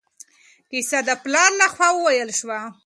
کیسه د پلار له خوا وویل شوه.